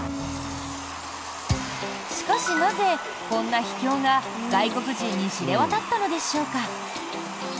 しかしなぜ、こんな秘境が外国人に知れ渡ったのでしょうか？